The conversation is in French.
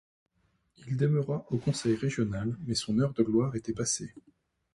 Il demeura au conseil régional mais son heure de gloire était passée.